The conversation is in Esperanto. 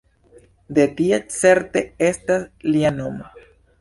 De tie certe estas lia nomo.